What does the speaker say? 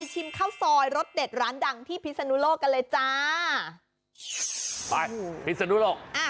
อยากปลูกก๋อก็ออกไปชิมข้าวซอยรสเด็ดร้านดังที่พริษณุโลกับเลยจ้า